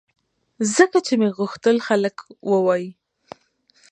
ځکه چې مې غوښتل خلک ووایي